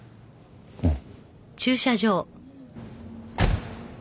うん。